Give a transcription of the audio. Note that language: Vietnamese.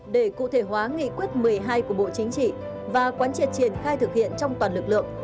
để cụ thể hóa nghị quyết một mươi hai của bộ chính trị và quán triệt triển khai thực hiện trong toàn lực lượng